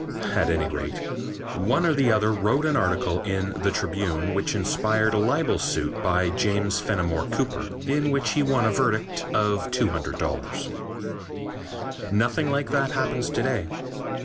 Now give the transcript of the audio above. At any rate, one or the other wrote an article in The Tribune which inspired a libel suit by James Fenimore Cooper in which he won a verdict of $200. Nothing like that happens to day.